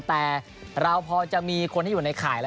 แต่เราพอจะมีคนที่อยู่ในข่ายแล้ว